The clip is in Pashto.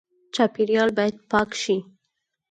چاپیریال باید پاک شي